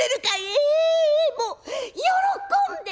「ええもう喜んで！」。